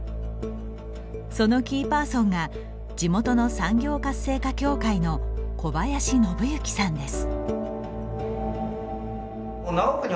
そのキーパーソンが地元の産業活性化協会の小林信行さんです。